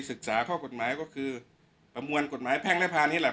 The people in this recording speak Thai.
ศึกษาข้อกฎหมายก็คือประมวลกฎหมายแพ่งและพานี่แหละ